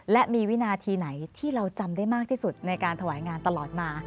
และมีวินาทีไหนที่เราจำได้มากที่สุดในการถวายงานตลอดมา